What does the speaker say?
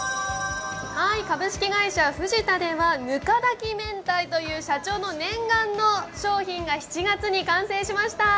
株式会社ふじたではぬか炊きめんたいという社長の念願の商品が７月に完成しました。